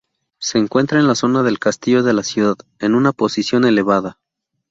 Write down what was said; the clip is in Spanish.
Se encuentra en la zona del castillo de la ciudad, en una posición elevada.